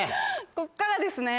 こっからですね。